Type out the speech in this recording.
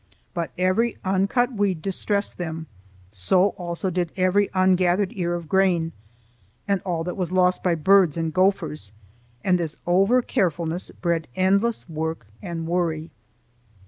But every uncut weed distressed them; so also did every ungathered ear of grain, and all that was lost by birds and gophers; and this overcarefulness bred endless work and worry.